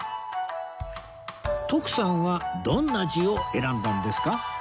徳さんはどんな字を選んだんですか？